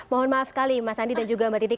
mohon maaf sekali mas andi dan juga mbak titi